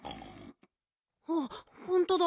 あっほんとだ。